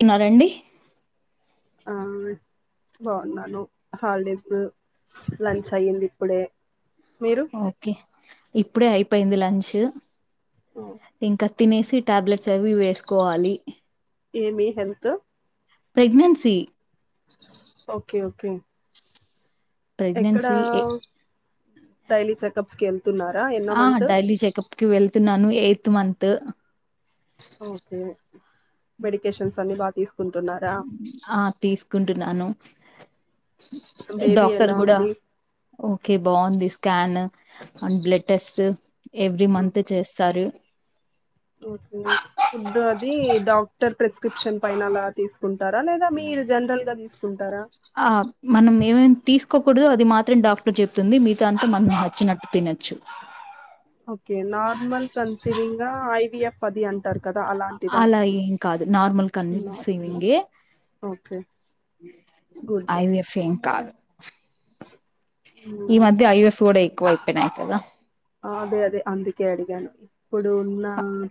తున్నారండి ఆ బాగున్నాను holidays lunch అయ్యింది ఇప్పుడే మీరు ఓకే ఇప్పుడే అయిపోయింది లంచ్ ఇంకా తినేసి టాబ్లెట్స్ అవి ఇవి వేసుకోవాలి ఏమి హెల్త్ ప్రెగ్నెన్సీ ఓకే ఓకే ఎక్కడ ప్రెగ్నెన్సి ఎ డైలీ చెకప్స్ కి వెళ్తున్నారా ఎన్నో ఆ మంత్ డైలీ చెకప్ కి వెళ్తున్నాను ఎయ్త్ మంత్ ఓకే మెడికేషన్స్ అన్ని బాగా తీసుకుంటున్నారా ఆ తీసుకుంటున్నాను బేబీ డాక్టర్ ఎలా కూడా ఉంది ఓకే బాగుంది scan and blood test every month చేస్తారు ఓకే ఫుడ్ అది డాక్టర్ ప్రిస్క్రిప్షన్ పైన అలా తీసుకుంటారా లేదా మీరు జనరల్‌‌గా తీసుకుంటారా ఆ మనం ఏమేమి తీసుకోకూడదో అది మాత్రం డాక్టర్ చెప్తుంది మీ గతా అంతా మనం నచ్చినట్టు తినొచ్చు ఓకే నార్మల్ కన్సీవింగా ఐవిఎఫ్ అది అంటారు కదా అలాంటిదా అలా ఏం కాదు నార్మల్ నార్మల్ కన్సివింగే ఓకే గుడ్ ఐవిఎఫ్ ఏం కాదు ఈ మ్మ్. మధ్య ఐవిఎఫ్ కూడా ఎక్కువ అయిపోయినాయి కదా ఆ అదే అదే అందుకే అడిగాను ఇప్పుడు ఉన్న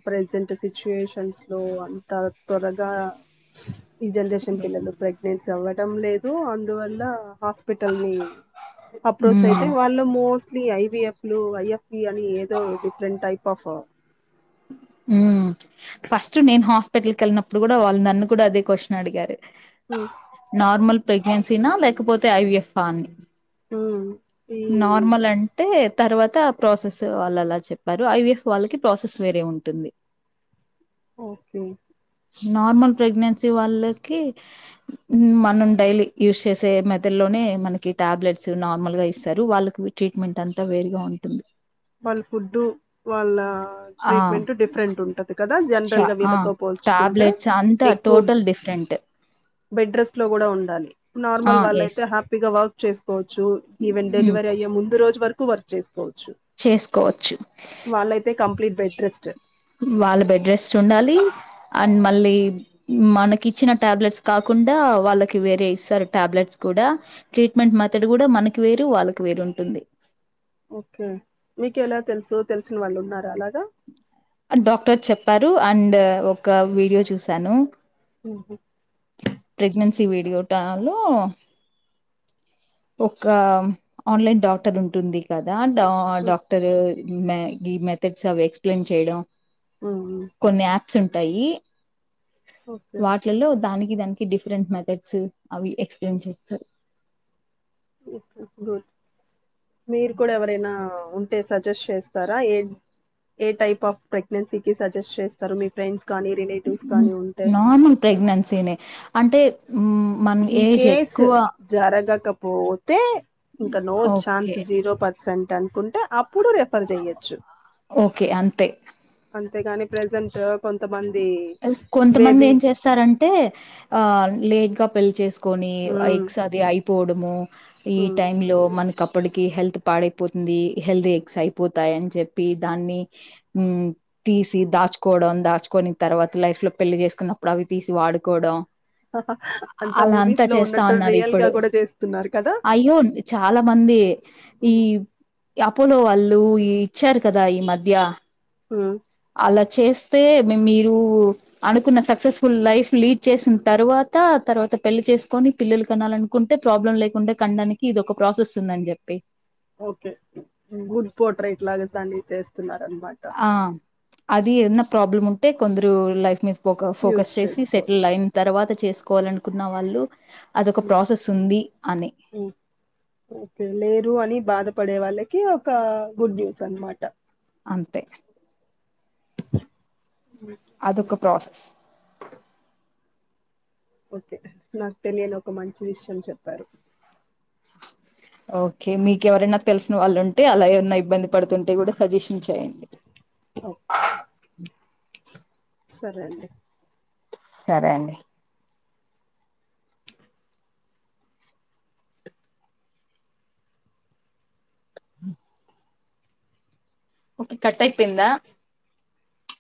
ప్రజెంట్ సిచ్యుయేషన్స్‌లో అంతా త్వరగా ఈ జనరేషన్ పిల్లలు ప్రెగ్నెన్సీ అవ్వడం లేదు అందువల్ల హా స్పిటల్ని అప్రోచ్ ఉమ్ అయితే వాళ్ళు మోస్ట్లీ ఐవిఎఫ్ లు ఐఎఫ్ ఈ అని ఏదో different type of um first నేను హాస్పిటల్‌కి ఎళ్ళినప్పుడు కూడా వాళ్ళ నన్ను కూడా అదే క్వశ్చన్ అడిగారు ఉమ్ నార్మల్ ప్రెగ్నెన్సీనా లేకపోతే ఐవిఎఫా అని ఉమ్, ఈ నార్మల్ అంటే తర్వాత ఆ ప్రాసెస్ వాళ్ళలా చెప్పారు ఐవిఎఫ్ వాళ్ళకి ప్రాసెస్ వేరే ఉంటుంది ఓకే నార్మల్ ప్రెగ్నెన్సీ వాళ్ళకి మనం డైలీ యూస్ చేసే మెథడ్లోనే మనకి టాబ్లెట్స్ నార్మల్‌గా ఇస్తారు వాళ్ళకి ట్రీట్మెంట్ అంతా వేరుగా ఉంటుంది వాళ్ళ ఫుడ్డు వాళ్ళ ఆ ట్రీట్మెంట్ డిఫరెంట్ ఉంట కదా చ జనరల్‌గా ఆ వీళ్ళతో పోల్చుకుంటే టాబ్లెట్స్ అంతా ఎక్కువ టోటల్ డిఫరెంట్ బెడ్ రెస్ట్‌లో కూడా ఉండాలి ఆ నార్మల్ ఎస్ వాళ్ళయితే హ్యాపీగా వర్క్ చేసుకోవచ్చు ఈవెన్ మ్ డెలివరీ అయ్యే ముందు రోజు వరకు వర్క్ చేసుకోవచ్చు చేసుకోవచ్చు వాళ్ళైతే కంప్లీట్ బెడ్ రెస్ట్ వాళ్ళ బెడ్ రెస్ట్ ఉండాలి అండ్ మళ్ళీ మనకి ఇచ్చిన టాబ్లెట్స్ కాకుండా వాళ్ళకి వేరే ఇస్తారు టాబ్లెట్స్ కూడా ట్రీట్మెంట్ మెథడ్ కూడా మనకి వేరు వాళ్ళకి వేరు ఉంటుంది ఓకే మీకలా తెలుసు తెలిసిన వాళ్ళు ఉన్నారా అలాగా డాక్టర్ చెప్పారు అండ్ ఒక వీడియో చూశాను ఊహూ ప్రెగ్నెన్సీ వీడియో టా లో ఒక ఆన్లైన్ డాక్టర్ ఉంటుంది కదా డా ఉ, డాక్టరు మే ఈ మెథడ్స్ అవి ఎక్స్ప్లెయిన్ చేయడం ఉమ్ కొన్ని యా ప్సుంటాయి ఓకే వా ట్లల్లో దానికి దానికి డిఫరెంట్ మెథడ్స్ అవి ఎక్స్ప్లెయిన్ చేస్తారు ఓకే గుడ్ మీరు కూడా ఎవరైనా ఉన్ టే సజెస్ట్ చేస్తారా ఏ ఏ టైఫ్ ఆఫ్ ప్రెగ్నెన్సీ కి సజెస్ట్ చేస్తారు మీ ఫ్రెండ్ కానీ రిలేటివ్స్ కానీ ఉంటే నార్మల్ ప్రెగ్నెన్సీనే అంటే మ్మ్ మన ఇన్ ఏజ్ కేస్ ఎక్కువ జరగకపోతే ఇంక no chance okay zero percent అనుకుంటే అప్ ప్పుడు రెఫర్ చెయ్యచ్చు ఓకే అంతే అంతేగానీ ప్రసెంటు కొంతమంది బేబీ టే ఆ లేట్గా పెళ్ళి చేసుకొని ఆ ఉమ్ ఐగ్స్ అది అయిపోవడము ఈ ఉమ్ టైం లో మన క ప్పటికి హెల్త్ పాడైపోతుంది హెల్ధీ ఎగ్స్ అయిపోతాయని చెప్పి దాన్ని ఊ తీసి దాచుకోడం దాచుకొని తర్వాత లైఫ్ లో పెళ్లి చేసుకున్నప్పుడు అవి తీసి వాడుకోవడం అలా అంతా మూవీస్ లో చేస్తా ఉన్నట్టు అన్నారు రియల్ గా ఇప్పుడు కూడా చేస్తున్నారు కదా అయ్యో చాలా మంది ఈ అపోలో వాళ్ళు ఈ ఇచ్చారు కదా ఈ మధ్య ఊ అలా చేస్తే మే మీరు అనుకున్న సక్సస్ఫుల్ లైఫ్ లీడ్ చేసిన తర్వాత తర్వాత పెళ్లి చేసుకొని పిల్లలు కనాలను కుంటే ప్రాబ్లం లేకుంటే కనడానికి ఇది ఒక ప్రాసెస్ ఉందని చెప్పి ఓకే గుడ్ పోట్రైట్ లాగా దాన్ని చేస్ తున్నారన్మా ఆ అది ఏద్నా ప్రాబ్లమ్ ఉంటే కొందరు లైఫ్ మి ఒక యూస్ ఫోకస్ చేసి చేసుకోవచ్చు సెటిల్ అయిన తర్వాత చేసుకోవాలనుకున్న వాళ్ళు అదొక ఉమ్ ప్రాసెస్ ఉంది అని ఉమ్ ఓకే లేరు అని బాధపడే వాళ్ళకి ఒక గుడ్ న్యూస్ అనమాట అంతే అదొక ప్రాసెస్ ఓకే నాకు తెలియని ఒక మంచి విషయం చెప్పారు ఓకే మీకు ఎవరన్నా తెలిసిన వాళ్ళు ఉంటే అలా ఏవరన్నా ఇబ్బంది పడుతుం టే కూడా సజెషన్ చేయండి ఓ సరే అండి సరే అండి ఉం ఓకే కట్టైపోయిందా